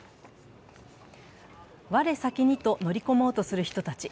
我先にと乗り込もうとする人たち。